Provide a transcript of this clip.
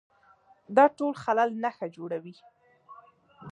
دا ټول خلل نښه جوړوي